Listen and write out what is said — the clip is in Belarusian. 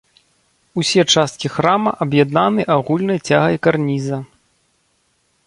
Усе часткі храма аб'яднаны агульнай цягай карніза.